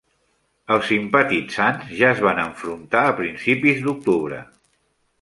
Els simpatitzants ja es van enfrontar a principis d'octubre.